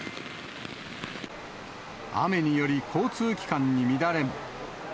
雨により交通機関に乱れも。